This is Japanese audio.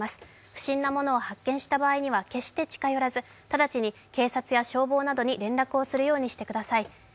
不審なものを発見した場合には決して近寄らず、直ちに警察や消防などに連絡をするようにしてください。